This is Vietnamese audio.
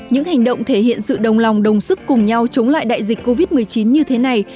những hành động thể hiện sự đồng lòng đồng sức cùng nhau chống lại đại dịch covid một mươi chín như thế này